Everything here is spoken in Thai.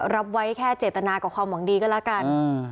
รับไว้แค่เจตนากับความหวังดีก็แล้วกัน